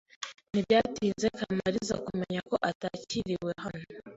Ntibyatinze Kamaliza kumenya ko atakiriwe hano.